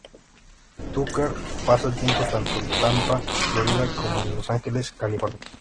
Tucker pasa el tiempo tanto en Tampa, Florida como en Los Ángeles, California.